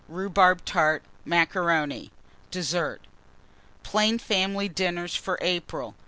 Rhubarb Tart. Macaroni. DESSERT. PLAIN FAMILY DINNERS FOR APRIL.